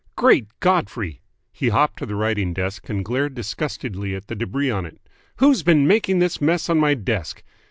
Great Godfrey!" He hopped to the writing desk and glared disgustedly at the debris on it. "Who's been making this mess on my desk?